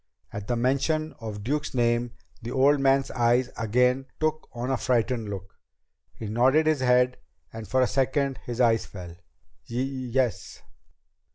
At the mention of Duke's name the old man's eyes again took on a frightened look. He nodded his head and for a second his eyes fell. "Y yes."